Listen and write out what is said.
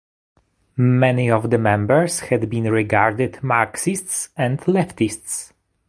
Many of the members had been regarded Marxists and leftists.